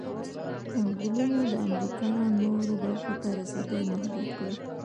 کنګلونو د امریکا نورو برخو ته رسېدل محدود کړل.